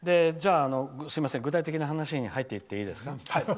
すみません、具体的な話に入っていっていいですか？